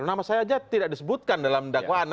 nama saya saja tidak disebutkan dalam dakwaan